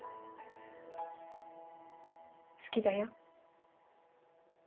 好きだよ。